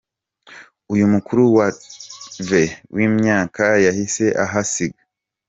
Uyu mukuru wa Tsarnaev wimyaka yahise ahasiga.